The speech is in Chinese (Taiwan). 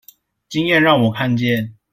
經驗讓我看見